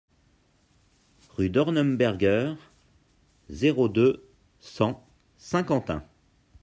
Rue Dornemberger, zéro deux, cent Saint-Quentin